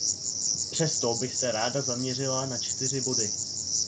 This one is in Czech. Přesto bych se ráda zaměřila na čtyři body.